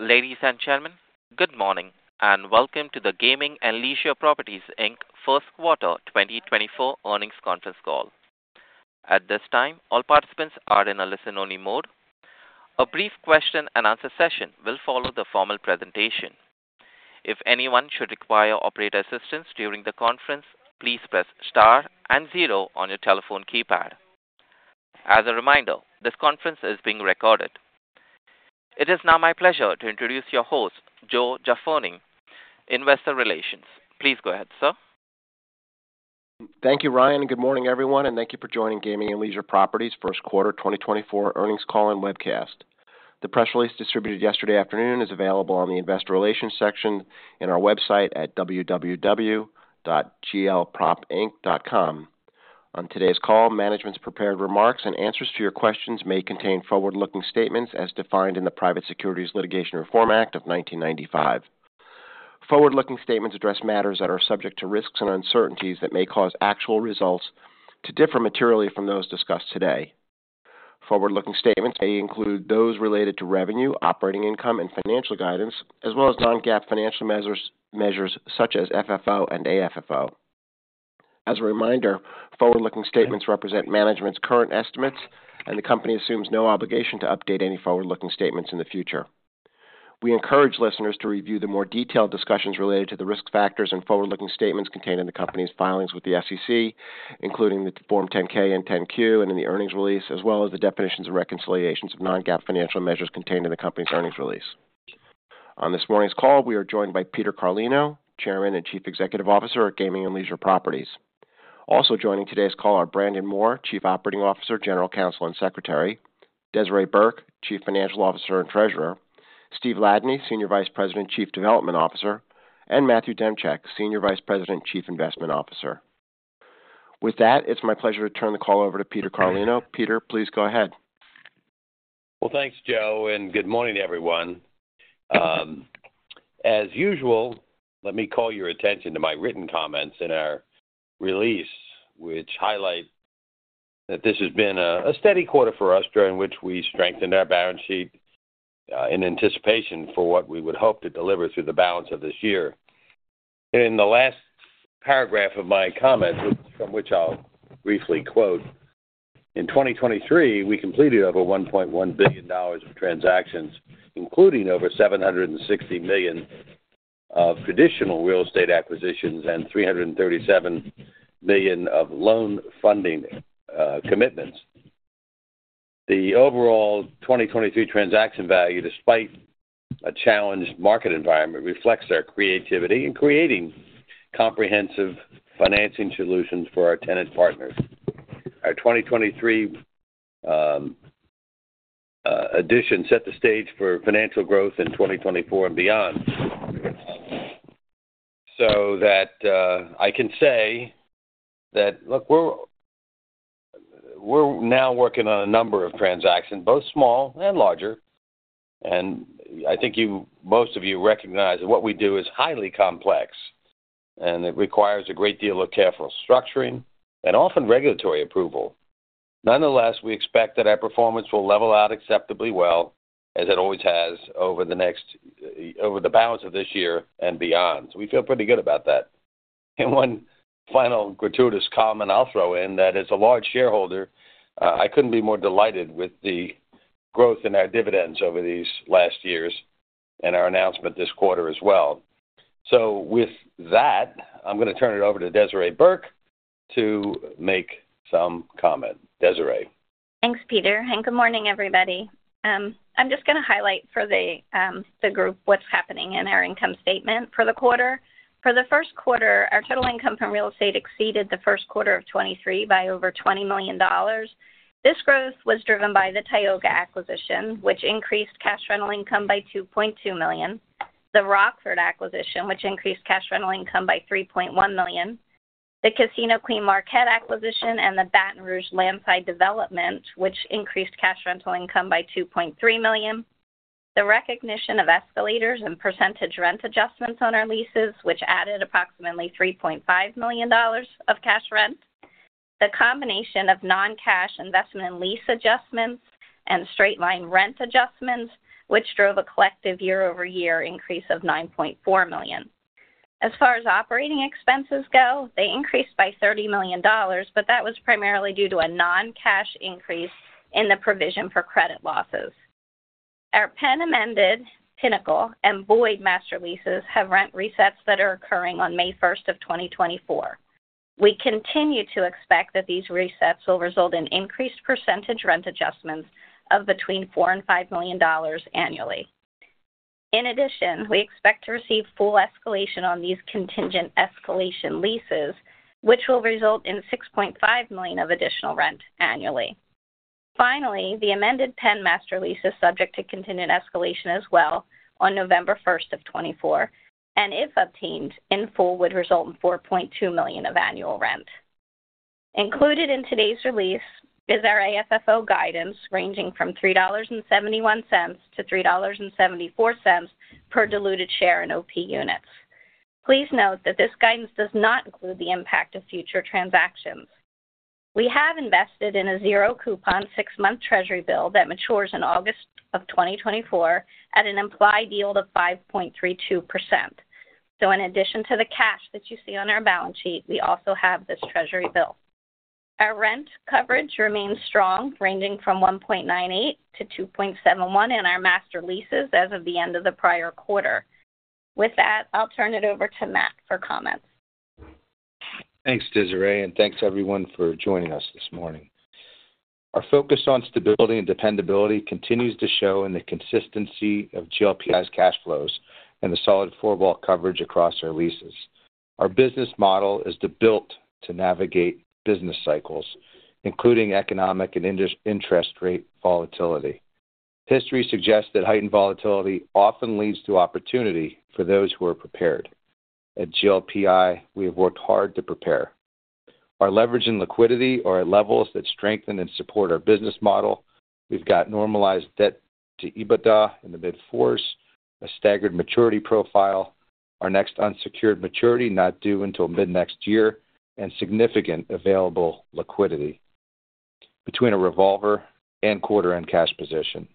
Ladies and gentlemen, good morning and welcome to the Gaming and Leisure Properties, Inc. first quarter 2024 earnings conference call. At this time, all participants are in a listen-only mode. A brief question-and-answer session will follow the formal presentation. If anyone should require operator assistance during the conference, please press star and 0 on your telephone keypad. As a reminder, this conference is being recorded. It is now my pleasure to introduce your host, Joe Jaffoni, Investor Relations. Please go ahead, sir. Thank you, Ryan, and good morning, everyone, and thank you for joining Gaming and Leisure Properties first quarter 2024 earnings call and webcast. The press release distributed yesterday afternoon is available on the Investor Relations section in our website at www.glpropinc.com. On today's call, management's prepared remarks and answers to your questions may contain forward-looking statements as defined in the Private Securities Litigation Reform Act of 1995. Forward-looking statements address matters that are subject to risks and uncertainties that may cause actual results to differ materially from those discussed today. Forward-looking statements may include those related to revenue, operating income, and financial guidance, as well as non-GAAP financial measures such as FFO and AFFO. As a reminder, forward-looking statements represent management's current estimates, and the company assumes no obligation to update any forward-looking statements in the future. We encourage listeners to review the more detailed discussions related to the risk factors and forward-looking statements contained in the company's filings with the SEC, including the Form 10-K and 10-Q and in the earnings release, as well as the definitions and reconciliations of non-GAAP financial measures contained in the company's earnings release. On this morning's call, we are joined by Peter Carlino, Chairman and Chief Executive Officer at Gaming and Leisure Properties. Also joining today's call are Brandon Moore, Chief Operating Officer, General Counsel and Secretary; Desiree Burke, Chief Financial Officer and Treasurer; Steve Ladany, Senior Vice President, Chief Development Officer; and Matthew Demchyk, Senior Vice President, Chief Investment Officer. With that, it's my pleasure to turn the call over to Peter Carlino. Peter, please go ahead. Well, thanks, Joe, and good morning to everyone. As usual, let me call your attention to my written comments in our release, which highlight that this has been a, a steady quarter for us during which we strengthened our balance sheet, in anticipation for what we would hope to deliver through the balance of this year. And in the last paragraph of my comments, which from which I'll briefly quote, "In 2023, we completed over $1.1 billion of transactions, including over $760 million of traditional real estate acquisitions and $337 million of loan funding, commitments. The overall 2023 transaction value, despite a challenged market environment, reflects our creativity in creating comprehensive financing solutions for our tenant partners." Our 2023, addition set the stage for financial growth in 2024 and beyond, so that, I can say that, look, we're, we're now working on a number of transactions, both small and larger. I think most of you recognize that what we do is highly complex, and it requires a great deal of careful structuring and often regulatory approval. Nonetheless, we expect that our performance will level out acceptably well, as it always has, over the balance of this year and beyond. So we feel pretty good about that. One final gratuitous comment I'll throw in that, as a large shareholder, I couldn't be more delighted with the growth in our dividends over these last years and our announcement this quarter as well. So with that, I'm gonna turn it over to Desiree Burke to make some comment. Desiree. Thanks, Peter. And good morning, everybody. I'm just gonna highlight for the group what's happening in our income statement for the quarter. For the first quarter, our total income from real estate exceeded the first quarter of 2023 by over $20 million. This growth was driven by the Tioga acquisition, which increased cash rental income by $2.2 million, the Rockford acquisition, which increased cash rental income by $3.1 million, the Casino Queen Marquette acquisition, and the Baton Rouge Landside Development, which increased cash rental income by $2.3 million, the recognition of escalators and percentage rent adjustments on our leases, which added approximately $3.5 million of cash rent, the combination of non-cash investment and lease adjustments, and straight-line rent adjustments, which drove a collective year-over-year increase of $9.4 million. As far as operating expenses go, they increased by $30 million, but that was primarily due to a non-cash increase in the provision for credit losses. Our Penn-amended Pinnacle and Boyd master leases have rent resets that are occurring on May 1st of 2024. We continue to expect that these resets will result in increased percentage rent adjustments of between $4 million-$5 million annually. In addition, we expect to receive full escalation on these contingent escalation leases, which will result in $6.5 million of additional rent annually. Finally, the amended Penn Master Lease is subject to contingent escalation as well on November 1st of 2024, and if obtained in full, would result in $4.2 million of annual rent. Included in today's release is our AFFO guidance ranging from $3.71-$3.74 per diluted share in OP units. Please note that this guidance does not include the impact of future transactions. We have invested in a zero-coupon six-month Treasury bill that matures in August of 2024 at an implied yield of 5.32%. So in addition to the cash that you see on our balance sheet, we also have this Treasury bill. Our rent coverage remains strong, ranging from 1.98-2.71 in our master leases as of the end of the prior quarter. With that, I'll turn it over to Matt for comments. Thanks, Desiree, and thanks everyone for joining us this morning. Our focus on stability and dependability continues to show in the consistency of GLPI's cash flows and the solid four-wall coverage across our leases. Our business model is built to navigate business cycles, including economic and interest rate volatility. History suggests that heightened volatility often leads to opportunity for those who are prepared. At GLPI, we have worked hard to prepare. Our leverage and liquidity are at levels that strengthen and support our business model. We've got normalized debt to EBITDA in the mid-4s, a staggered maturity profile, our next unsecured maturity not due until mid-next year, and significant available liquidity between a revolver and quarter-end cash position.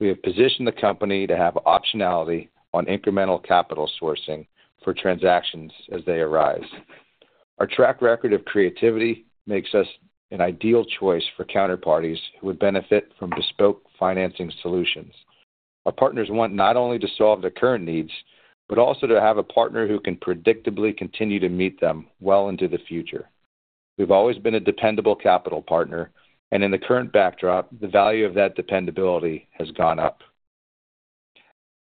We have positioned the company to have optionality on incremental capital sourcing for transactions as they arise. Our track record of creativity makes us an ideal choice for counterparties who would benefit from bespoke financing solutions. Our partners want not only to solve the current needs but also to have a partner who can predictably continue to meet them well into the future. We've always been a dependable capital partner, and in the current backdrop, the value of that dependability has gone up.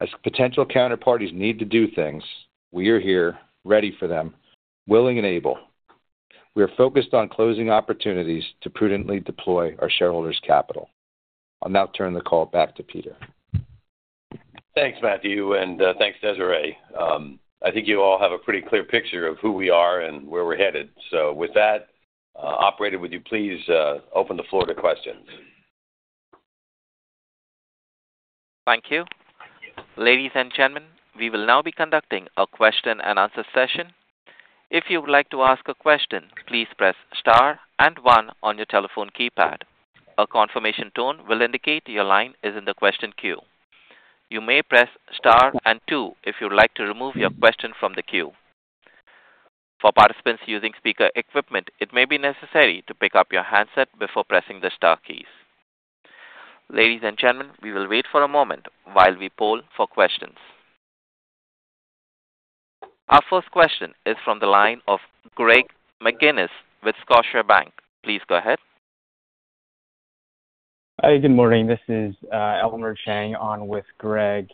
As potential counterparties need to do things, we are here, ready for them, willing and able. We are focused on closing opportunities to prudently deploy our shareholders' capital. I'll now turn the call back to Peter. Thanks, Matthew, and thanks, Desiree. I think you all have a pretty clear picture of who we are and where we're headed. So with that, operator, would you please open the floor to questions? Thank you. Ladies and gentlemen, we will now be conducting a question-and-answer session. If you would like to ask a question, please press star and 1 on your telephone keypad. A confirmation tone will indicate your line is in the question queue. You may press star and 2 if you would like to remove your question from the queue. For participants using speaker equipment, it may be necessary to pick up your handset before pressing the star keys. Ladies and gentlemen, we will wait for a moment while we poll for questions. Our first question is from the line of Greg McGinniss with Scotiabank. Please go ahead. Hi, good morning. This is Elmer Chang on with Greg.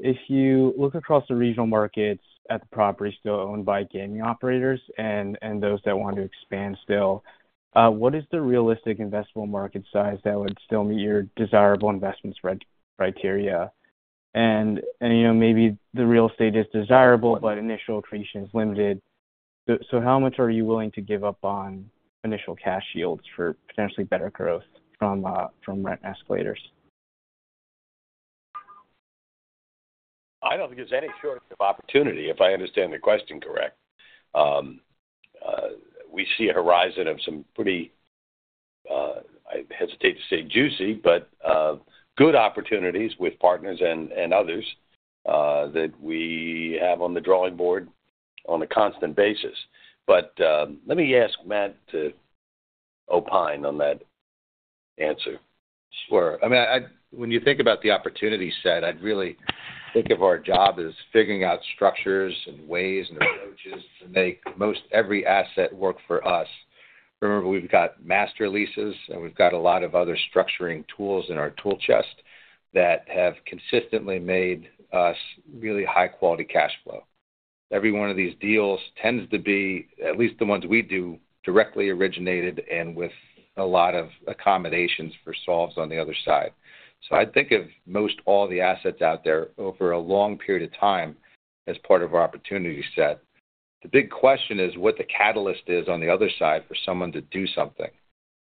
If you look across the regional markets at the properties still owned by gaming operators and those that want to expand still, what is the realistic investable market size that would still meet your desirable investment criteria? And you know, maybe the real estate is desirable, but initial attrition is limited. So how much are you willing to give up on initial cash yields for potentially better growth from rent escalations? I don't think there's any shortage of opportunity, if I understand the question correct. We see a horizon of some pretty, I hesitate to say juicy, but, good opportunities with partners and, and others, that we have on the drawing board on a constant basis. But, let me ask Matt to opine on that answer. Sure. I mean, when you think about the opportunity set, I'd really think of our job as figuring out structures and ways and approaches to make most every asset work for us. Remember, we've got master leases, and we've got a lot of other structuring tools in our tool chest that have consistently made us really high-quality cash flow. Every one of these deals tends to be, at least the ones we do, directly originated and with a lot of accommodations for solves on the other side. So I'd think of most all the assets out there over a long period of time as part of our opportunity set. The big question is what the catalyst is on the other side for someone to do something.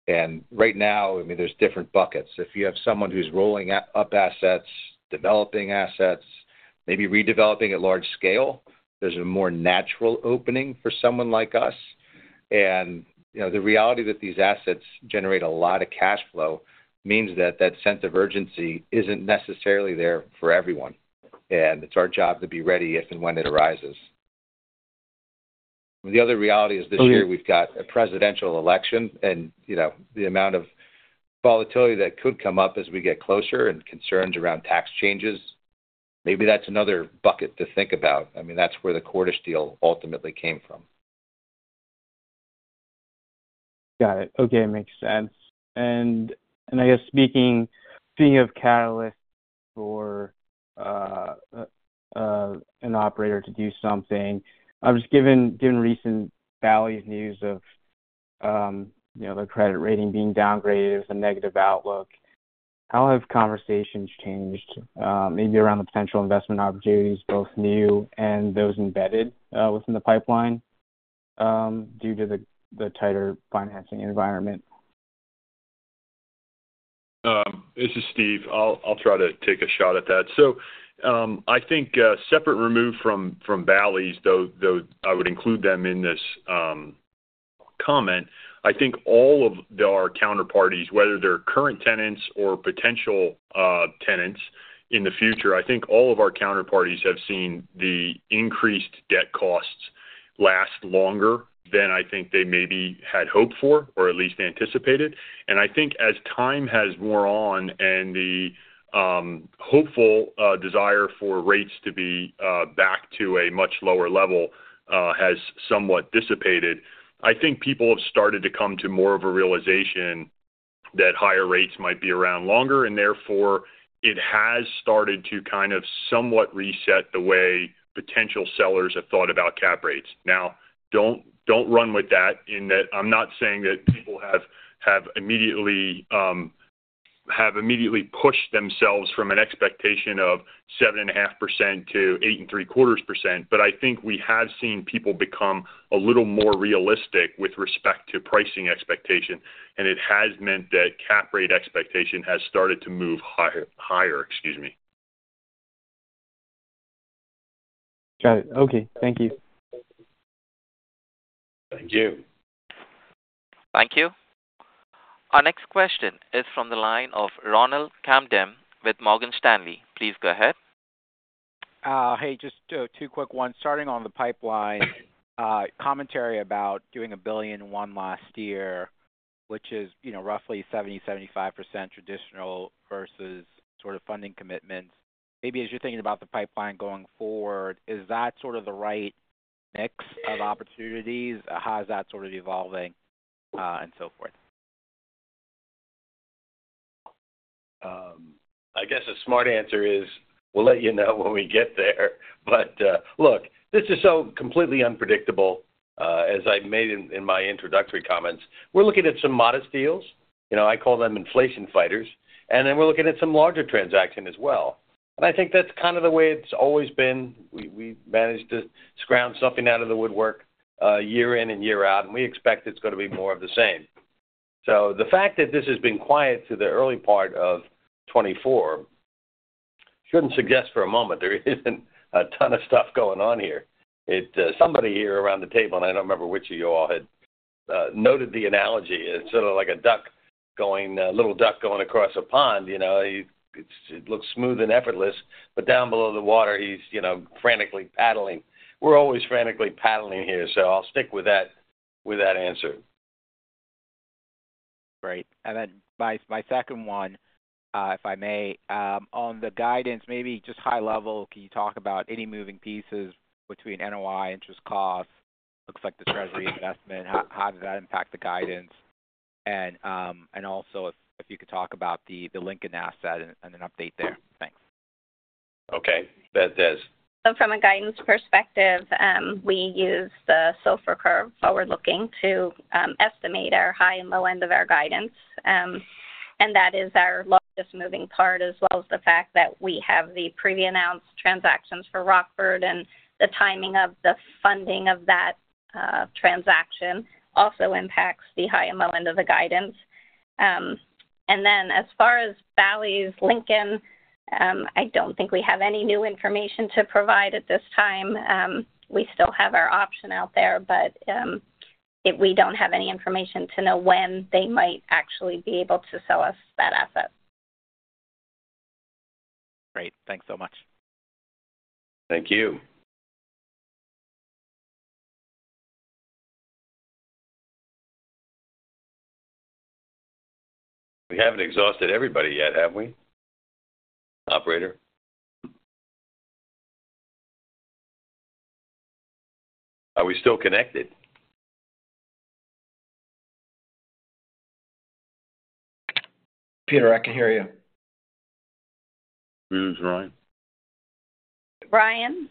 And right now, I mean, there's different buckets. If you have someone who's rolling up assets, developing assets, maybe redeveloping at large scale, there's a more natural opening for someone like us. You know, the reality that these assets generate a lot of cash flow means that that sense of urgency isn't necessarily there for everyone, and it's our job to be ready if and when it arises. The other reality is this year we've got a presidential election, and, you know, the amount of volatility that could come up as we get closer and concerns around tax changes, maybe that's another bucket to think about. I mean, that's where the Cordish deal ultimately came from. Got it. Okay, makes sense. And I guess speaking of catalysts for an operator to do something, I was given recent Bally's news of, you know, the credit rating being downgraded. It was a negative outlook. How have conversations changed, maybe around the potential investment opportunities, both new and those embedded, within the pipeline, due to the tighter financing environment? This is Steve. I'll try to take a shot at that. So, I think, separate from Bally's, though I would include them in this comment, I think all of our counterparties, whether they're current tenants or potential tenants in the future, I think all of our counterparties have seen the increased debt costs last longer than I think they maybe had hoped for or at least anticipated. And I think as time has worn on and the hopeful desire for rates to be back to a much lower level has somewhat dissipated, I think people have started to come to more of a realization that higher rates might be around longer, and therefore, it has started to kind of somewhat reset the way potential sellers have thought about cap rates. Now, don't run with that in that I'm not saying that people have immediately pushed themselves from an expectation of 7.5%-8.75%, but I think we have seen people become a little more realistic with respect to pricing expectation, and it has meant that cap rate expectation has started to move higher, excuse me. Got it. Okay. Thank you. Thank you. Thank you. Our next question is from the line of Ronald Kamdem with Morgan Stanley. Please go ahead. Hey, just two quick ones. Starting on the pipeline, commentary about doing $1.01 billion last year, which is, you know, roughly 70%-75% traditional versus sort of funding commitments. Maybe as you're thinking about the pipeline going forward, is that sort of the right mix of opportunities? How is that sort of evolving, and so forth? I guess a smart answer is, "We'll let you know when we get there." But, look, this is so completely unpredictable, as I made in, in my introductory comments. We're looking at some modest deals. You know, I call them inflation fighters. And then we're looking at some larger transaction as well. And I think that's kind of the way it's always been. We, we managed to scrounge something out of the woodwork, year in and year out, and we expect it's gonna be more of the same. So the fact that this has been quiet through the early part of 2024 shouldn't suggest for a moment there isn't a ton of stuff going on here. It, somebody here around the table, and I don't remember which of you all had, noted the analogy. It's sort of like a duck going, little duck going across a pond. You know, it looks smooth and effortless, but down below the water, he's, you know, frantically paddling. We're always frantically paddling here, so I'll stick with that, with that answer. Great. And then my second one, if I may, on the guidance, maybe just high level, can you talk about any moving pieces between NOI, interest costs, looks like the treasury investment, how does that impact the guidance? And also if you could talk about the Lincoln asset and an update there. Thanks. Okay. Beth does. So from a guidance perspective, we use the SOFR curve forward-looking to estimate our high and low end of our guidance. That is our largest moving part as well as the fact that we have the pre-announced transactions for Rockford, and the timing of the funding of that transaction also impacts the high and low end of the guidance. Then as far as Bally's, Lincoln, I don't think we have any new information to provide at this time. We still have our option out there, but we don't have any information to know when they might actually be able to sell us that asset. Great. Thanks so much. Thank you. We haven't exhausted everybody yet, have we, operator? Are we still connected? Peter, I can hear you. Who is Ryan? Ryan?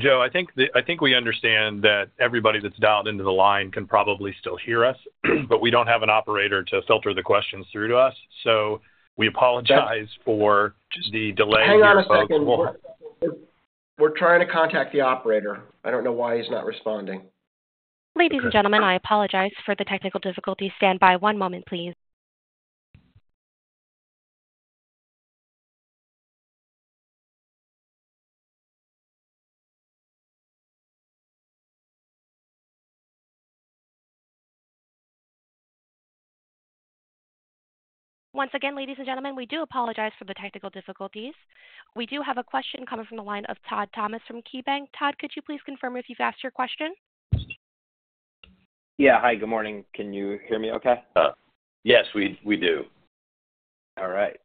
Joe, I think we understand that everybody that's dialed into the line can probably still hear us, but we don't have an operator to filter the questions through to us. So we apologize for the delay before. Just hang on a second. We're trying to contact the operator. I don't know why he's not responding. Ladies and gentlemen, I apologize for the technical difficulties. Stand by one moment, please. Once again, ladies and gentlemen, we do apologize for the technical difficulties. We do have a question coming from the line of Todd Thomas from KeyBanc. Todd, could you please confirm if you've asked your question? Yeah. Hi. Good morning. Can you hear me okay? Yes, we do. All right.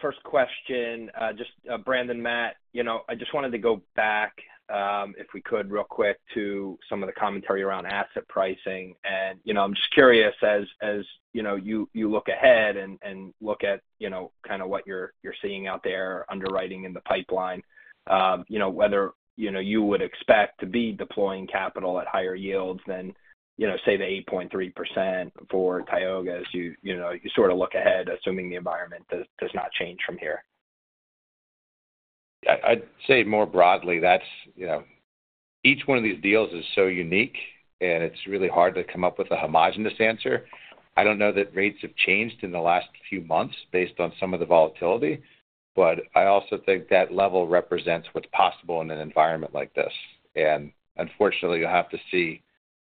First question, just Brandon, Matt, you know, I just wanted to go back, if we could real quick, to some of the commentary around asset pricing. You know, I'm just curious as, as, you know, you, you look ahead and, and look at, you know, kind of what you're, you're seeing out there underwriting in the pipeline, you know, whether, you know, you would expect to be deploying capital at higher yields than, you know, say the 8.3% for Tioga. As you, you know, you sort of look ahead assuming the environment does not change from here. I'd say more broadly, that's, you know, each one of these deals is so unique, and it's really hard to come up with a homogeneous answer. I don't know that rates have changed in the last few months based on some of the volatility, but I also think that level represents what's possible in an environment like this. And unfortunately, you'll have to see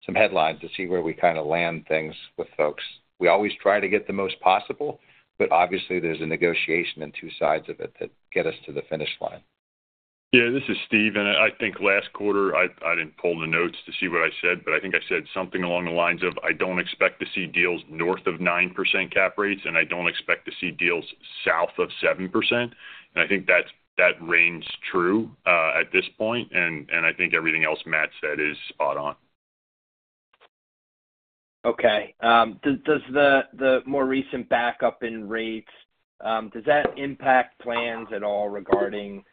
some headlines to see where we kind of land things with folks. We always try to get the most possible, but obviously, there's a negotiation on two sides of it that get us to the finish line. Yeah. This is Steve. And I think last quarter, I didn't pull the notes to see what I said, but I think I said something along the lines of, "I don't expect to see deals north of 9% cap rates, and I don't expect to see deals south of 7%." And I think that's that range true, at this point. And I think everything else Matt said is spot on. Okay. Does the more recent backup in rates impact plans at all regarding,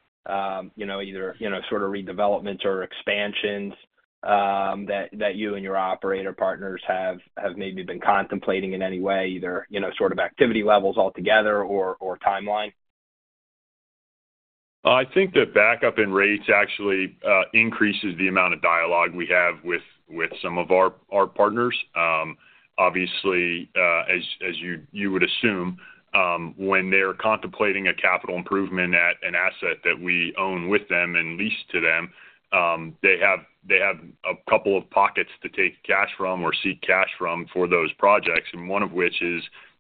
you know, either, you know, sort of redevelopments or expansions that you and your operator partners have maybe been contemplating in any way, either, you know, sort of activity levels altogether or timeline? I think that backup in rates actually increases the amount of dialogue we have with some of our partners. Obviously, as you would assume, when they're contemplating a capital improvement at an asset that we own with them and lease to them, they have a couple of pockets to take cash from or seek cash from for those projects, and one of which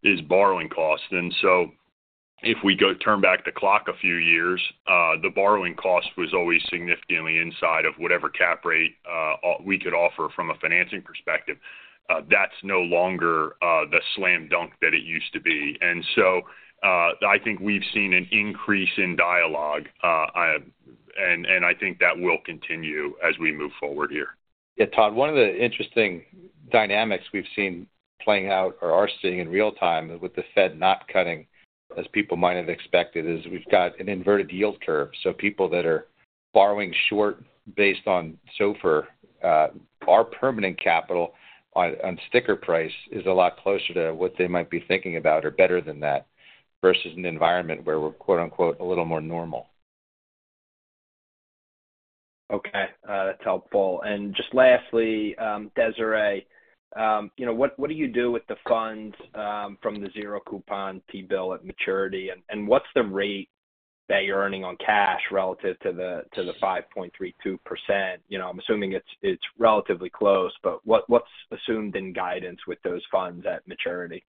is borrowing costs. And so if we go turn back the clock a few years, the borrowing cost was always significantly inside of whatever cap rate we could offer from a financing perspective. That's no longer the slam dunk that it used to be. And so, I think we've seen an increase in dialogue, and I think that will continue as we move forward here. Yeah. Todd, one of the interesting dynamics we've seen playing out or are seeing in real time with the Fed not cutting as people might have expected is we've got an inverted yield curve. So people that are borrowing short based on SOFR, our permanent capital on, on sticker price is a lot closer to what they might be thinking about or better than that versus an environment where we're, quote-unquote, "a little more normal." Okay. That's helpful. And just lastly, Desiree, you know, what, what do you do with the funds from the zero coupon T-bill at maturity? And, and what's the rate that you're earning on cash relative to the, to the 5.32%? You know, I'm assuming it's, it's relatively close, but what, what's assumed in guidance with those funds at maturity?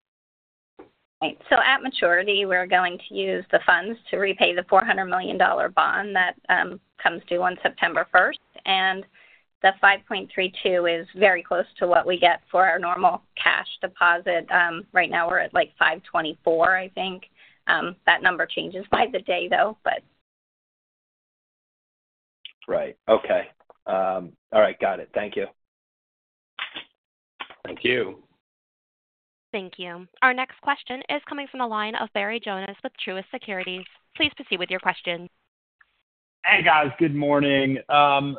Right. So at maturity, we're going to use the funds to repay the $400 million bond that comes due on September 1st. The 5.32 is very close to what we get for our normal cash deposit. Right now, we're at like 524, I think. That number changes by the day, though, but. Right. Okay. All right. Got it. Thank you. Thank you. Thank you. Our next question is coming from the line of Barry Jonas with Truist Securities. Please proceed with your question. Hey, guys. Good morning. Can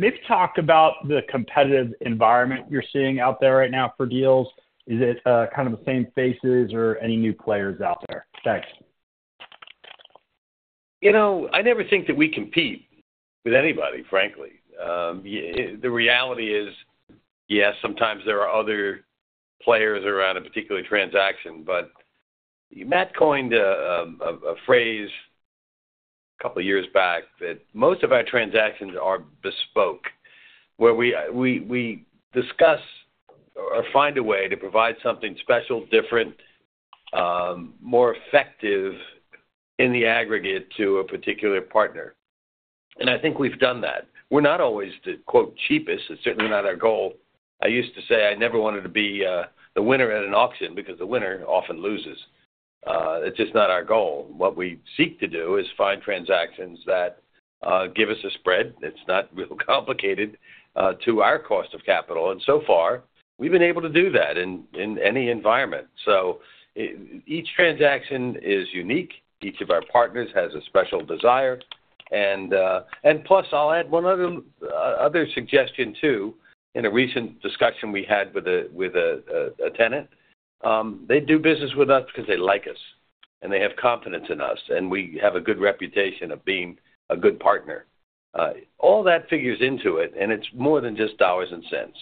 we talk about the competitive environment you're seeing out there right now for deals? Is it, kind of the same faces or any new players out there? Thanks. You know, I never think that we compete with anybody, frankly. But the reality is, yes, sometimes there are other players around a particular transaction, but Matt coined a phrase a couple of years back that most of our transactions are bespoke, where we discuss or find a way to provide something special, different, more effective in the aggregate to a particular partner. And I think we've done that. We're not always the, quote, "cheapest." It's certainly not our goal. I used to say I never wanted to be the winner at an auction because the winner often loses. It's just not our goal. What we seek to do is find transactions that give us a spread. It's not real complicated to our cost of capital. And so far, we've been able to do that in any environment. So each transaction is unique. Each of our partners has a special desire. And plus, I'll add one other suggestion too. In a recent discussion we had with a tenant, they do business with us because they like us, and they have confidence in us, and we have a good reputation of being a good partner. All that figures into it, and it's more than just dollars and cents.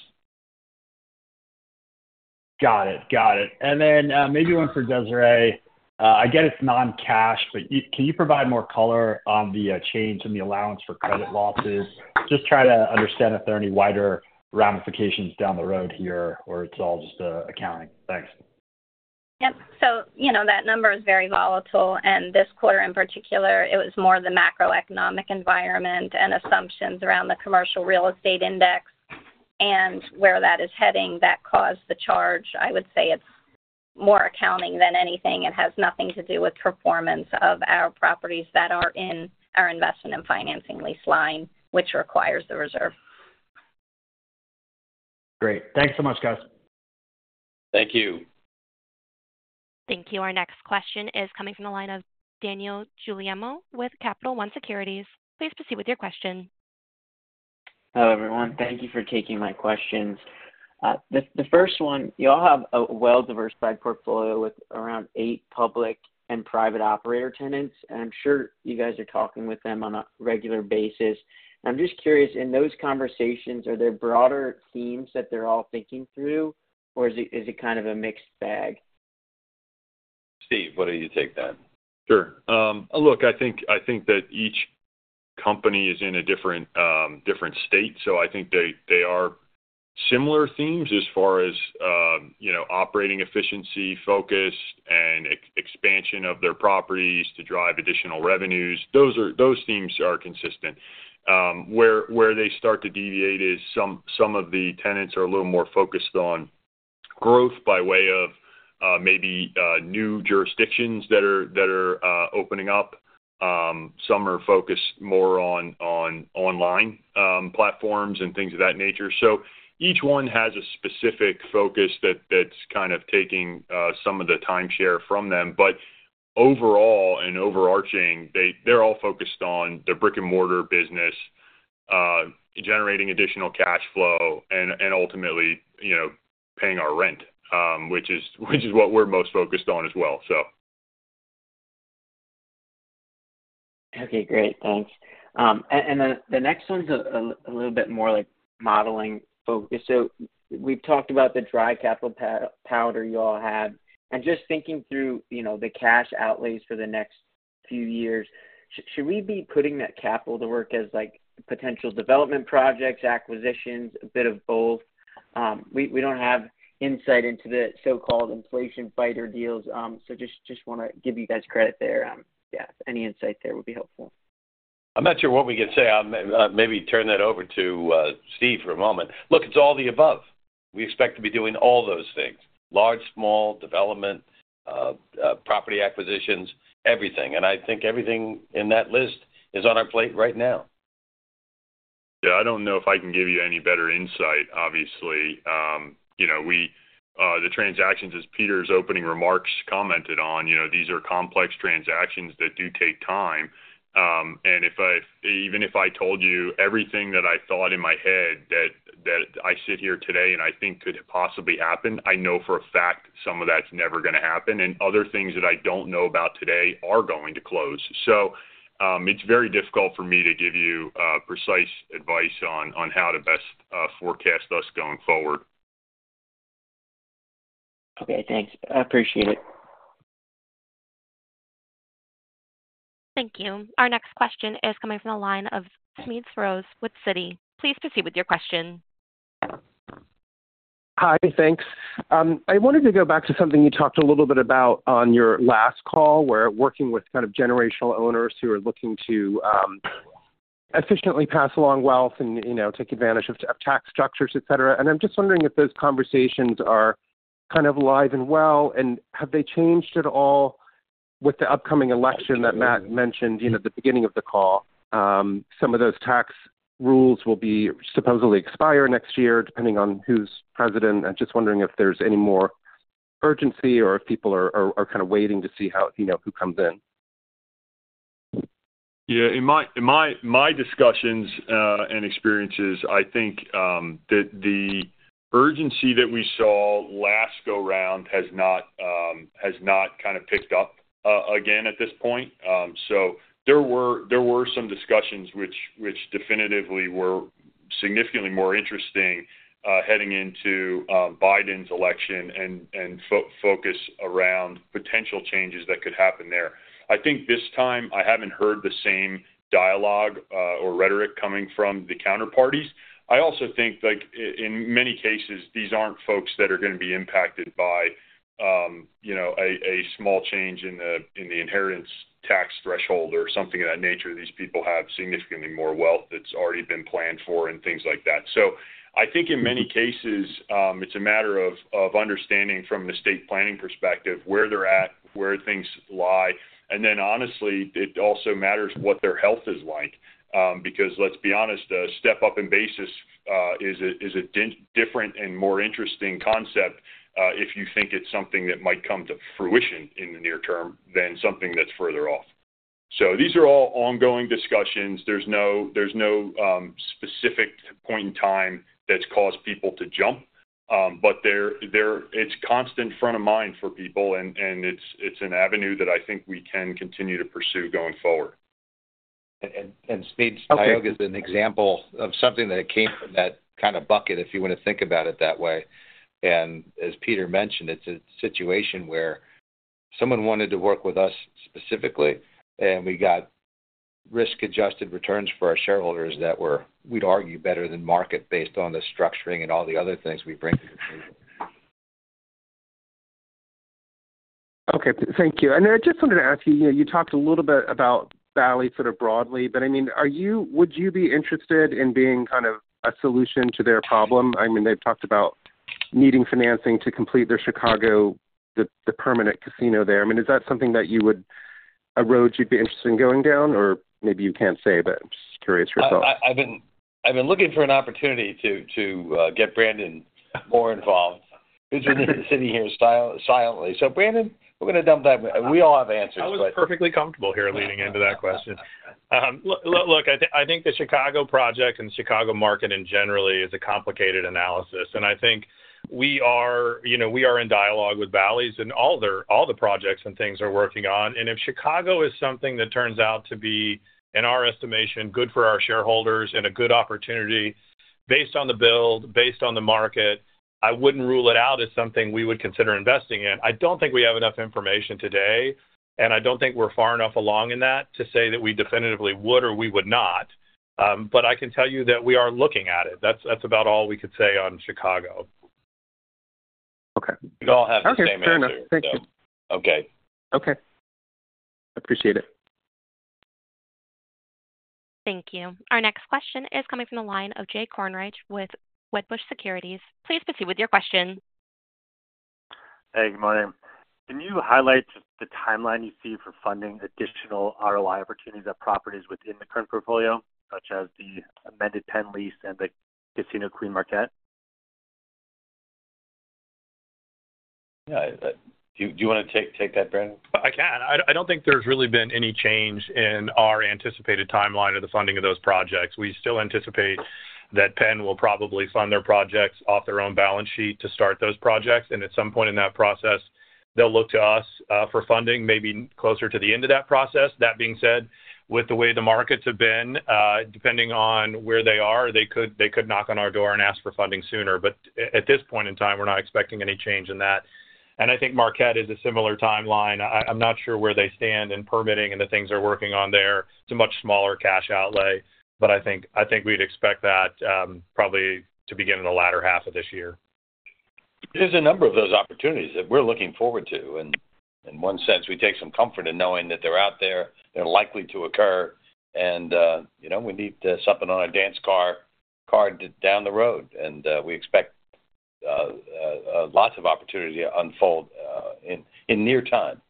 Got it. Got it. And then, maybe one for Desiree. I get it's non-cash, but can you provide more color on the change in the allowance for credit losses? Just try to understand if there are any wider ramifications down the road here or it's all just accounting. Thanks. Yep. So, you know, that number is very volatile. This quarter in particular, it was more the macroeconomic environment and assumptions around the commercial real estate index and where that is heading that caused the charge. I would say it's more accounting than anything. It has nothing to do with performance of our properties that are in our investment and financing lease line, which requires the reserve. Great. Thanks so much, guys. Thank you. Thank you. Our next question is coming from the line of Daniel Guglielmo with Capital One Securities. Please proceed with your question. Hello, everyone. Thank you for taking my questions. The first one, you all have a well-diversified portfolio with around eight public and private operator tenants, and I'm sure you guys are talking with them on a regular basis. And I'm just curious, in those conversations, are there broader themes that they're all thinking through, or is it kind of a mixed bag? Steve, what do you take then? Sure. Look, I think that each company is in a different state. So I think they are similar themes as far as, you know, operating efficiency focused and expansion of their properties to drive additional revenues. Those themes are consistent. Where they start to deviate is some of the tenants are a little more focused on growth by way of, maybe, new jurisdictions that are opening up. Some are focused more on online platforms and things of that nature. So each one has a specific focus that's kind of taking some of the timeshare from them. But overall and overarching, they're all focused on their brick-and-mortar business, generating additional cash flow and ultimately, you know, paying our rent, which is what we're most focused on as well, so. Okay. Great. Thanks. And the next one's a little bit more like modeling focus. So we've talked about the dry capital powder you all have. And just thinking through, you know, the cash outlays for the next few years, shall we be putting that capital to work as, like, potential development projects, acquisitions, a bit of both? We don't have insight into the so-called inflation fighter deals. So just wanna give you guys credit there. Yeah, any insight there would be helpful. I'm not sure what we could say. Maybe turn that over to Steve for a moment. Look, it's all the above. We expect to be doing all those things: large, small, development, property acquisitions, everything. And I think everything in that list is on our plate right now. Yeah. I don't know if I can give you any better insight, obviously. You know, we, the transactions, as Peter's opening remarks commented on, you know, these are complex transactions that do take time. And if I if even if I told you everything that I thought in my head that, that I sit here today and I think could possibly happen, I know for a fact some of that's never gonna happen. And other things that I don't know about today are going to close. So, it's very difficult for me to give you precise advice on how to best forecast us going forward. Okay. Thanks. I appreciate it. Thank you. Our next question is coming from the line of Smedes Rose with Citi. Please proceed with your question. Hi. Thanks. I wanted to go back to something you talked a little bit about on your last call where working with kind of generational owners who are looking to efficiently pass along wealth and, you know, take advantage of tax structures, etc. I'm just wondering if those conversations are kind of alive and well. Have they changed at all with the upcoming election that Matt mentioned, you know, at the beginning of the call? Some of those tax rules will supposedly expire next year depending on who's president. I'm just wondering if there's any more urgency or if people are kind of waiting to see how, you know, who comes in. Yeah. In my discussions and experiences, I think that the urgency that we saw last go around has not kind of picked up again at this point. So there were some discussions which definitively were significantly more interesting heading into Biden's election and focus around potential changes that could happen there. I think this time, I haven't heard the same dialogue or rhetoric coming from the counterparties. I also think, like, in many cases, these aren't folks that are gonna be impacted by, you know, a small change in the inheritance tax threshold or something of that nature. These people have significantly more wealth that's already been planned for and things like that. So I think in many cases, it's a matter of understanding from an estate planning perspective where they're at, where things lie. And then honestly, it also matters what their health is like, because let's be honest, a step-up in basis is a different and more interesting concept if you think it's something that might come to fruition in the near term than something that's further off. So these are all ongoing discussions. There's no specific point in time that's caused people to jump, but there, it's constant front of mind for people, and it's an avenue that I think we can continue to pursue going forward. Smedes's dialogue is an example of something that came from that kind of bucket if you wanna think about it that way. And as Peter mentioned, it's a situation where someone wanted to work with us specifically, and we got risk-adjusted returns for our shareholders that were, we'd argue, better than market based on the structuring and all the other things we bring to the table. Okay. Thank you. And then I just wanted to ask you, you know, you talked a little bit about Bally's sort of broadly, but I mean, would you be interested in being kind of a solution to their problem? I mean, they've talked about needing financing to complete their Chicago, the permanent casino there. I mean, is that something that you would, or you'd be interested in going down, or maybe you can't say, but just curious your thoughts? I've been looking for an opportunity to get Brandon more involved. He's been sitting here silently. So Brandon, we're gonna dump that. We all have answers, but. I was perfectly comfortable here leading into that question. Look, I think the Chicago project and the Chicago market in general is a complicated analysis. And I think we are, you know, we are in dialogue with Bally's, and all the projects and things they are working on. And if Chicago is something that turns out to be, in our estimation, good for our shareholders and a good opportunity based on the build, based on the market, I wouldn't rule it out as something we would consider investing in. I don't think we have enough information today, and I don't think we're far enough along in that to say that we definitively would or we would not. But I can tell you that we are looking at it. That's, that's about all we could say on Chicago. Okay. We all have the same answers, though. Okay. Sure. Thank you. Okay. Okay. Appreciate it. Thank you. Our next question is coming from the line of Jay Kornreich with Wedbush Securities. Please proceed with your question. Hey. Good morning. Can you highlight the timeline you see for funding additional ROI opportunities at properties within the current portfolio such as the amended Penn Lease and the Casino Queen Marquette? Yeah. Do you wanna take that, Brandon? I can. I don't think there's really been any change in our anticipated timeline of the funding of those projects. We still anticipate that Penn will probably fund their projects off their own balance sheet to start those projects. At some point in that process, they'll look to us for funding, maybe closer to the end of that process. That being said, with the way the markets have been, depending on where they are, they could knock on our door and ask for funding sooner. But at this point in time, we're not expecting any change in that. I think Marquette is a similar timeline. I'm not sure where they stand in permitting and the things they're working on there. It's a much smaller cash outlay, but I think we'd expect that, probably to begin in the latter half of this year. There's a number of those opportunities that we're looking forward to. In one sense, we take some comfort in knowing that they're out there. They're likely to occur. You know, we need something on our dance card down the road. We expect lots of opportunity to unfold in near time.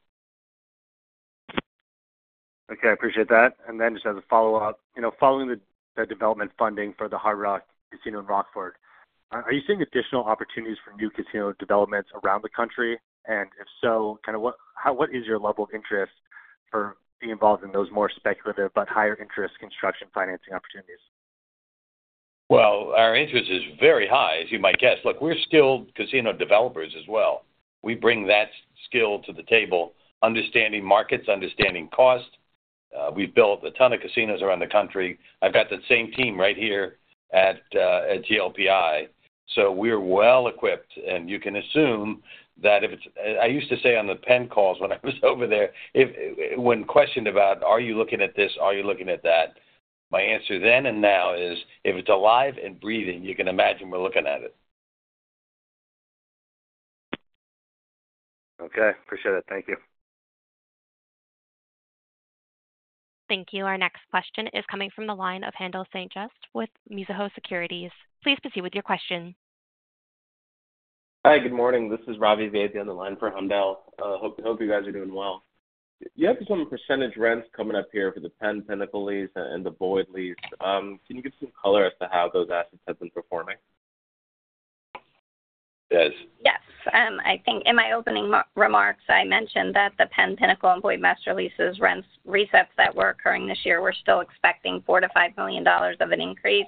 Okay. I appreciate that. And then just as a follow-up, you know, following the development funding for the Hard Rock Casino in Rockford, are you seeing additional opportunities for new casino developments around the country? And if so, kind of, what is your level of interest for being involved in those more speculative but higher-interest construction financing opportunities? Well, our interest is very high, as you might guess. Look, we're skilled casino developers as well. We bring that skill to the table, understanding markets, understanding cost. We've built a ton of casinos around the country. I've got that same team right here at, at GLPI. So we're well-equipped. And you can assume that if it's and I used to say on the Penn calls when I was over there, if, when questioned about, "Are you looking at this? Are you looking at that?" my answer then and now is, "If it's alive and breathing, you can imagine we're looking at it. Okay. Appreciate it. Thank you. Thank you. Our next question is coming from the line of Haendel St. Juste with Mizuho Securities. Please proceed with your question. Hi. Good morning. This is Ravi Vaidya on the line for Haendel. Hope you guys are doing well. You have some percentage rents coming up here for the Penn Pinnacle Lease and the Boyd Lease. Can you give some color as to how those assets have been performing? Yes. Yes. I think in my opening remarks, I mentioned that the Penn Pinnacle and Boyd Master Leases' rent resets that were occurring this year, we're still expecting $4 million-$5 million of an increase.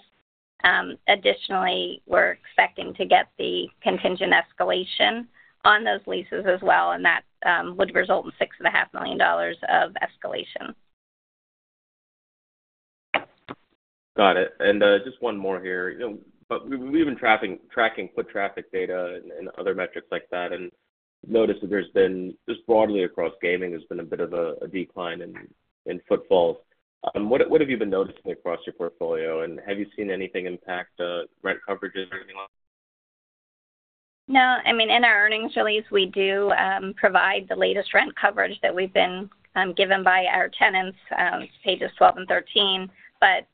Additionally, we're expecting to get the contingent escalation on those leases as well, and that would result in $6.5 million of escalation. Got it. And just one more here. You know, but we've been tracking foot traffic data and other metrics like that and noticed that there's been just broadly across gaming a bit of a decline in footfalls. What have you been noticing across your portfolio, and have you seen anything impact rent coverage or anything like that? No. I mean, in our earnings release, we do provide the latest rent coverage that we've been given by our tenants. It's pages 12 and 13. But